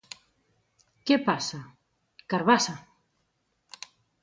—Què passa? —Carabassa!